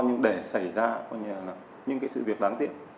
nhưng để xảy ra những sự việc đáng tiếc